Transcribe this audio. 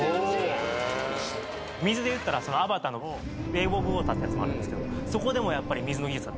水でいったら『アバター：ウェイ・オブ・ウォーター』ってやつもあるんですけどそこでもやっぱり。